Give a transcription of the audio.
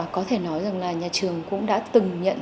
có thể nói rằng là nhà trường cũng đã từng nhận được những bài tập này